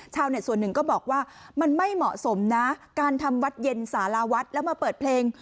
ส่วนหนึ่งก็บอกว่ามันไม่เหมาะสมนะการทำวัดเย็นสารวัฒน์แล้วมาเปิดเพลง